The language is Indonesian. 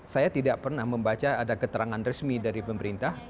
saya tidak pernah membaca ada keterangan resmi dari pemerintah